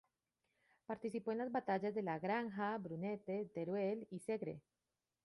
Participó en las batallas de la Granja, Brunete, Teruel y Segre.